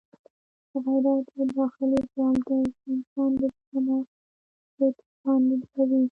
غیرت یو داخلي ځواک دی چې انسان د ظلم او تېري پر وړاندې دروي.